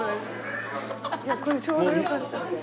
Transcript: これちょうどよかった。